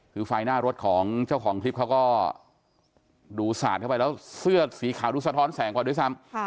คือไฟหน้ารถของเจ้าของคลิปเขาก็ดูสาดเข้าไปแล้วเสื้อสีขาวดูสะท้อนแสงกว่าด้วยซ้ำ